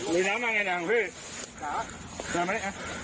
นี่นั้มยังไงด้วยครับพี่